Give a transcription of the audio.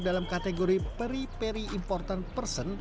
dalam kategori peri perry important person